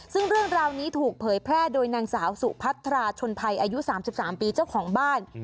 ซึ่งเรื่องราวนี้ถูกเผยแพร่โดยนางสาวสุพัทราชนภัยอายุ๓๓ปีเจ้าของบ้าน